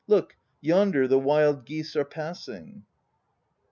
Look, yonder the wild geese are passing!